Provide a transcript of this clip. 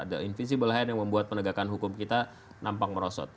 the invisible hand yang membuat penegakan hukum kita nampang merosot